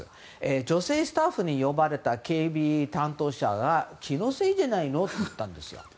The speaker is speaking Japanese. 女性スタッフに呼ばれた警備担当者が気のせいじゃないの？って言ったんですよ。